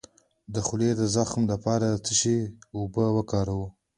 د خولې د زخم لپاره د څه شي اوبه وکاروم؟